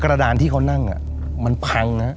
กระดานที่เขานั่งมันพังนะ